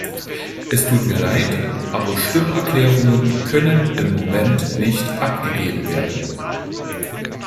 Es tut mir leid, aber Stimmerklärungen können im Moment nicht abgegeben werden.